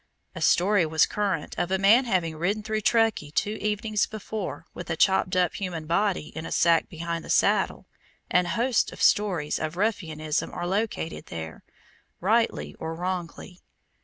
A story was current of a man having ridden through Truckee two evenings before with a chopped up human body in a sack behind the saddle, and hosts of stories of ruffianism are located there, rightly or wrongly.